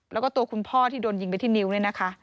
แล้วก็ตัวคุณพ่อที่โดนยิงไปที่นิ้วเนี่ยนะคะ